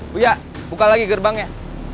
buya buka lagi gerbangnya